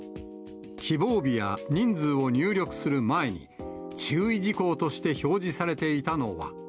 希望日や人数を入力する前に、注意事項として表示されていたのは。